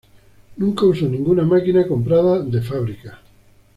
Nunca usó ninguna máquina comprada de fábrica.